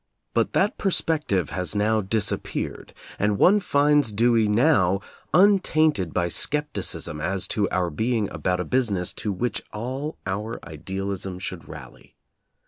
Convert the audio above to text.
But that perspective has now disappeared, and one finds Dewey now untainted by skepticism as to our being about a business to which all our idealism should rally.